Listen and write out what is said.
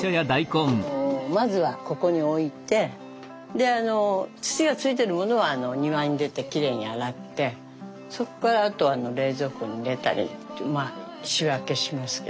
まずはここに置いてで土がついてるものは庭に出てきれいに洗ってそこからあと冷蔵庫に入れたり仕分けしますけど。